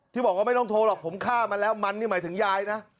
บอกว่าไม่ต้องโทรหรอกผมฆ่ามันแล้วมันนี่หมายถึงยายนะ